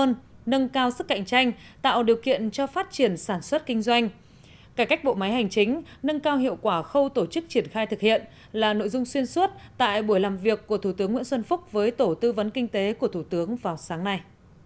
nâng cao sức cạnh tranh tạo điều kiện cho phát triển sản xuất kinh doanh cải cách bộ máy hành chính nâng cao hiệu quả khâu tổ chức triển khai thực hiện là nội dung xuyên suốt tại buổi làm việc của thủ tướng nguyễn xuân phúc với tổ tư vấn kinh tế của thủ tướng vào sáng nay